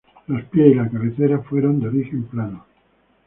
Los pies y la cabecera fueron en origen, planos.